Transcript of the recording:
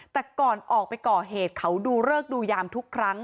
แต่ก่อนออกไปก่อเหตุเขาดูเลิกดูยามทุกครั้ง